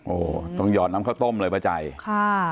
โอ้โหต้องหยอดน้ำข้าวต้มเลยป้าใจค่ะ